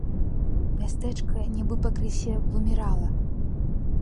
Мястэчка нібы пакрысе вымірала.